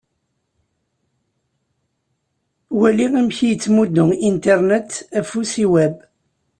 Wali amek i yettmuddu Internet afus i Web.